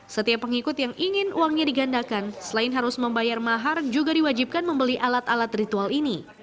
setiap pengikut yang ingin uangnya digandakan selain harus membayar mahar juga diwajibkan membeli alat alat ritual ini